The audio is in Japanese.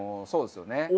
そうですね。